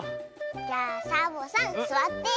じゃあサボさんすわって。